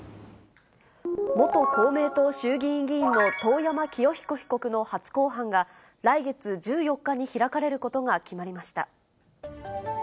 元公明党衆議院議員の遠山清彦被告の初公判が来月１４日に開かれることが決まりました。